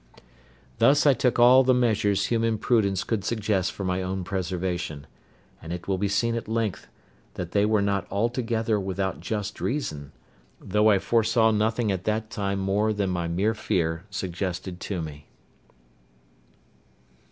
Thus I took all the measures human prudence could suggest for my own preservation; and it will be seen at length that they were not altogether without just reason; though I foresaw nothing at that time more than my mere fear suggested to me.